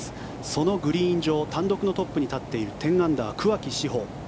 そのグリーン上単独のトップに立っている１０アンダー、桑木志帆。